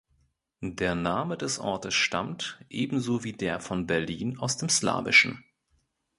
Der Name des Ortes stammt, ebenso wie der von Berlin, aus dem Slawischen.